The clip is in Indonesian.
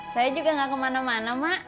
saya juga gak kemana mana mak